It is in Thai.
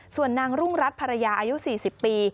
ส่วนนางรุ่งรัฐภรรยาอายุ๔๐ปี